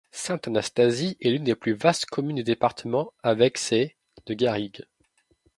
Sainte-Anastasie est l'une des plus vastes communes du département avec ses de garrigues.